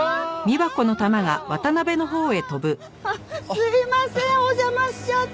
すみませんお邪魔しちゃって。